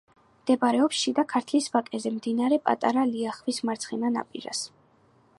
მდებარეობს შიდა ქართლის ვაკეზე, მდინარე პატარა ლიახვის მარცხენა ნაპირას.